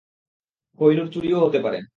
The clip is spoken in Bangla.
কোহিনূর চুরিও হতে পারে!